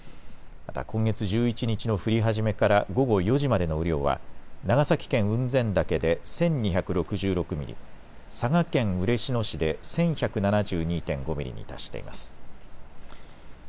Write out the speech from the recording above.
また今月１１日の降り始めから午後４時までの雨量は、長崎県雲仙岳で１２６６ミリ、佐賀県嬉野市で１１７２．５ミリに達しています。